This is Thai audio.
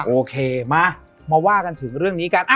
โอเคมามาว่ากันถึงเรื่องนี้กัน